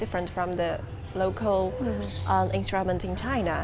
itu sangat berbeda dengan instrumen lokal di china